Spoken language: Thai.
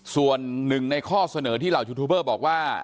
ส่วนหนึ่งในข้อเสนอที่เหล่ายูทูบเบอร์บอกว่า